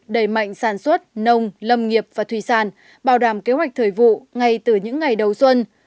đẩy mạnh sản xuất nông lâm nghiệp và thủy sản bảo đảm kế hoạch thời vụ ngay từ những ngày đầu xuân